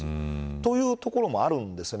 というところもあるんですよね。